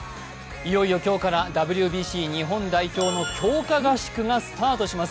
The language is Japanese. いよいよ今日からＷＢＣ日本代表の強化合宿がスタートします。